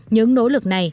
những nỗ lực này